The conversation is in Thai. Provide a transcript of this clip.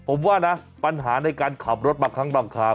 ผมว่านะปัญหาในการขับรถคลังค่ะ